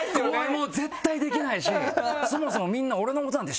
もう絶対できないしそもそも。